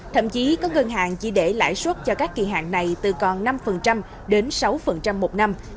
thậm chí có ngân hàng chỉ để lãi suất cho các kỳ hạn này từ còn năm đến sáu một năm